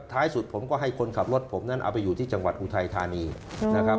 ท้ายสุดผมก็ให้คนขับรถผมนั้นเอาไปอยู่ที่จังหวัดอุทัยธานีนะครับ